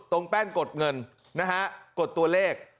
แป้นกดเงินนะฮะกดตัวเลข